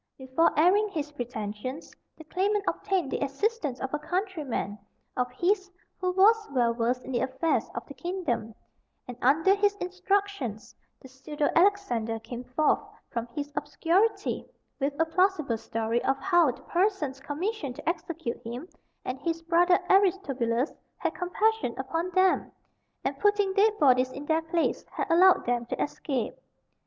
Before airing his pretensions, the claimant obtained the assistance of a countryman of his who was well versed in the affairs of the kingdom, and under his instructions the pseudo Alexander came forth from his obscurity with a plausible story of how the persons commissioned to execute him and his brother Aristobulus had compassion upon them, and putting dead bodies in their place, had allowed them to escape.